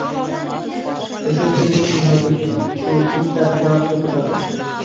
ঐসব থেকে তুমি হয়তো কিছু চিন্তার খোরাক পেতে পার।